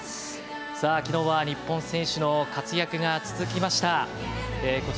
昨日は日本選手の活躍が続きました。